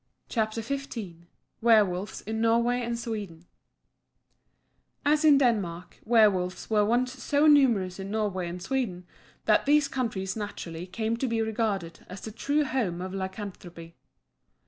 CHAPTER XV WERWOLVES IN NORWAY AND SWEDEN As in Denmark, werwolves were once so numerous in Norway and Sweden, that these countries naturally came to be regarded as the true home of lycanthropy.